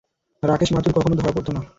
রাকেশ মাথুরও কখনো ধরা পড়তো না।